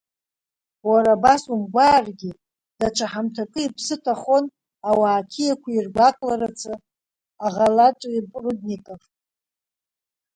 Уара абас умгәааргьы даҽа ҳамҭакы иԥсы ҭахон ауаа қьиақәа иргәаҟларцы аӷалатҩы Прудников!